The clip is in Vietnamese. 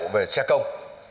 về xe công